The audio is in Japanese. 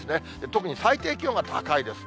特に最低気温が高いです。